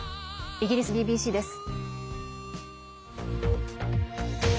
イギリスＢＢＣです。